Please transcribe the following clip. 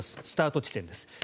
スタート地点です。